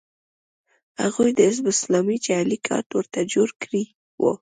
هغوی د حزب اسلامي جعلي کارت ورته جوړ کړی و